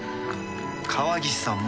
川岸さんも。